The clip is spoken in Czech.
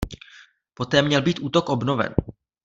Poté měl být útok obnoven.